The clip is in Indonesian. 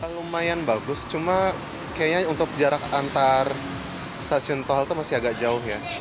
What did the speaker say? lumayan bagus cuma kayaknya untuk jarak antar stasiun tol itu masih agak jauh ya